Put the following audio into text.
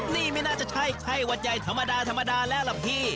นี่ไม่น่าจะใช่ไข้หวัดใหญ่ธรรมดาธรรมดาแล้วล่ะพี่